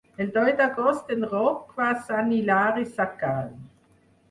El deu d'agost en Roc va a Sant Hilari Sacalm.